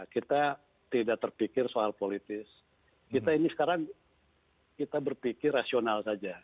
kita tidak terpikir soal politis kita ini sekarang kita berpikir rasional saja